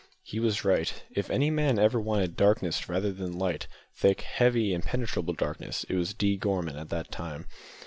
He was right. If any man ever wanted darkness rather than light thick, heavy, impenetrable darkness it was D. Gorman at that time.